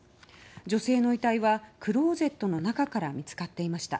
女性の遺体はクローゼットの中から見つかっていました。